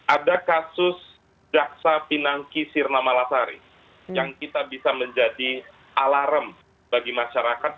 ada kasus jaksa pinangki sirna malasari yang kita bisa menjadi alarm bagi masyarakat